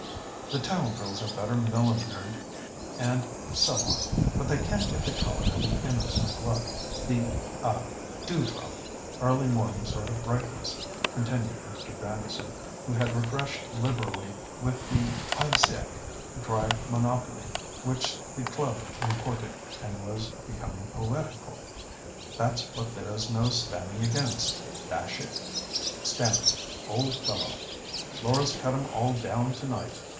The town girls are better millinered and so on; but they can't get the colour and the innocent look, the—ah—dew drop, early morning sort of brightness," continued Mr. Grandison, who had refreshed liberally with the Heidsiek dry monopole which the club imported, and was becoming poetical. "That's what there's no standing against. Dash it, Stamford, old fellow! Laura's cut 'em all down to night.